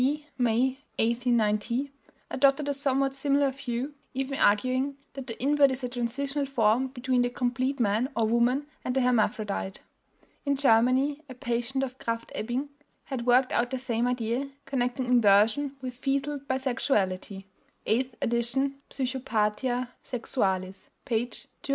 May, 1890) adopted a somewhat similar view, even arguing that the invert is a transitional form between the complete man or woman and the hermaphrodite. In Germany a patient of Krafft Ebing had worked out the same idea, connecting inversion with fetal bisexuality (eighth edition Psychopathia Sexualis, p. 227).